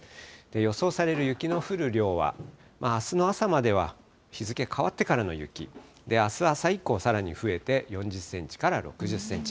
予想される雪の降る量は、あすの朝までは日付変わってからの雪、あす朝以降、さらに増えて４０センチから６０センチ。